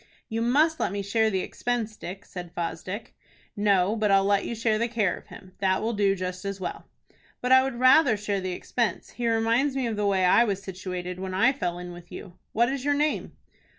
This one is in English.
"You must let me share the expense, Dick," said Fosdick. "No, but I'll let you share the care of him. That will do just as well." "But I would rather share the expense. He reminds me of the way I was situated when I fell in with you. What is your name?"